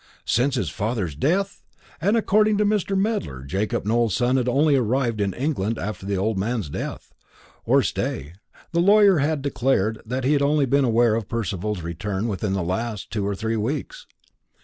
Since his father's death! And according to Mr. Medler, Jacob Nowell's son had only arrived in England after the old man's death; or stay, the lawyer had declared that he had been only aware of Percival's return within the last two or three weeks.